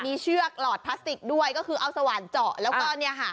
มีเชือกหลอดพลาสติกด้วยก็คือเอาสว่านเจาะแล้วก็เนี่ยค่ะ